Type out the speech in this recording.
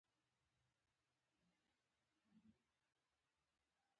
په افغانستان کې د پرديو پر ضد تحریکونه سابقه لري.